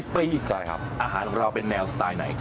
๑๐ปีอาหารของเราเป็นแนวสไตล์ไหน